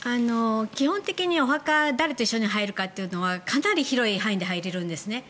基本的にお墓誰と一緒に入るのかというのはかなり広い範囲で入れるんですね。